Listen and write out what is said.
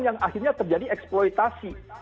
yang akhirnya terjadi eksploitasi